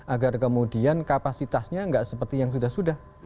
agar kemudian kapasitasnya nggak seperti yang sudah sudah